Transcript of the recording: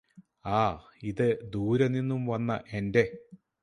ആ ഇത് ദൂരെനിന്നും വന്ന എന്റെ